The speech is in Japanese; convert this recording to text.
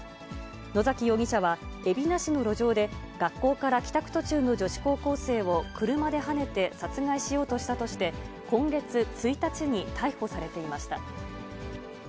野崎容疑者は、海老名市の路上で、学校から帰宅途中の女子高校生を、車ではねて殺害しようとしたとして、今月１日に逮捕されていました。